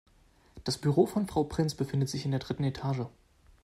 Das Büro von Frau Prinz befindet sich in der dritten Etage.